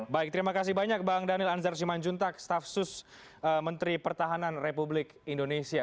baik terima kasih banyak bang daniel anzar simanjuntak staf sus menteri pertahanan republik indonesia